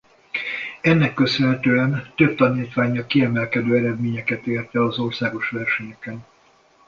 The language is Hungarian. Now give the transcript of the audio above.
Ennek köszönhetően több tanítványa kiemelkedő eredményeket ért el az országos versenyeken.